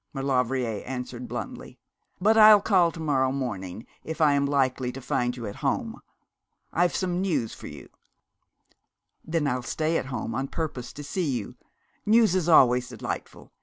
Maulevrier answered, bluntly. 'But I'll call to morrow morning, if I am likely to find you at home. I've some news for you.' 'Then I'll stay at home on purpose to see you. News is always delightful.